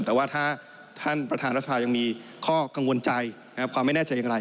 แต่ว่าถ้าท่านประธานรัฐสภายังมีข้อกังวลใจนะครับความไม่แน่ใจอย่างไร